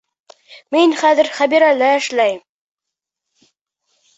Мин хәҙер Хәбирәлә эшләйем.